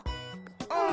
うん。